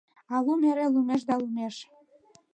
А лум эре лумеш да лумеш.